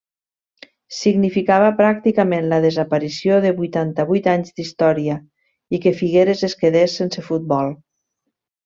Significava pràcticament la desaparició de vuitanta-vuit anys d'història i que Figueres es quedés sense futbol.